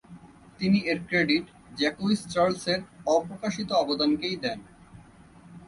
তিনি এর credit Jacques চার্লসের অপ্রকাশিত অবদানকেই দেন।